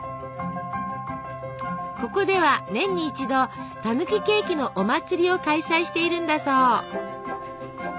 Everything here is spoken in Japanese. ここでは年に一度たぬきケーキのお祭りを開催しているんだそう。